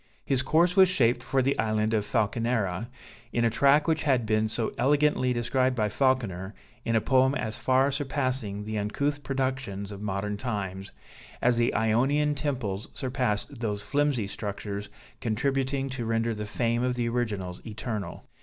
His course was shaped for the island of Falconera, in a track which has been so elegantly described by Falconer, in a poem as far surpassing the uncouth productions of modern times, as the Ionian temples surpassed those flimsy structures contributing to render the fame of the originals eternal.